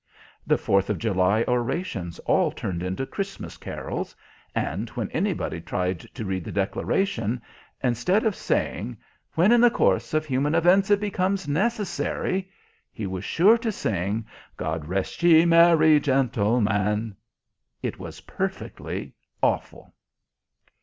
The Fourth of July orations all turned into Christmas carols, and when anybody tried to read the Declaration, instead of saying, "When in the course of human events it becomes necessary," he was sure to sing, "God rest you, merry gentlemen." It was perfectly awful.